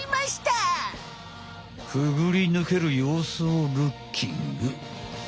くぐりぬけるようすをルッキング！